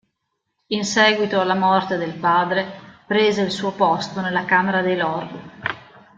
In seguito alla morte del padre, prese il suo posto nella Camera dei lord.